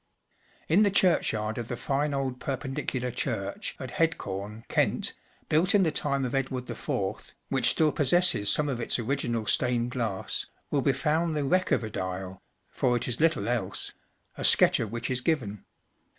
In the churchyard of the fine old Per¬ pendicular church at Headcorn, Kent, built in the time of Edward IV., which still possesses some of its original stained glass, will be found the wreck of a dial (for it is little else), a sketch of which is given.